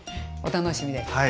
お楽しみです。